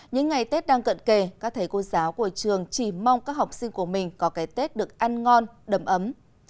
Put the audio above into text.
những ngày tết đang cận kề các thầy cô giáo của trường chỉ mong các học sinh của mình có cái tết được ăn ngon đầm ấm